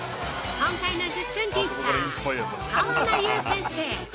今回の１０分ティーチャー川名結有先生。